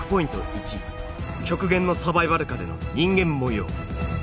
１極限のサバイバル下での人間模様